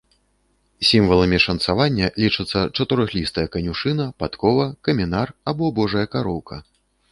Сімваламі шанцавання лічацца чатырохлістая канюшына, падкова, камінар або божая кароўка.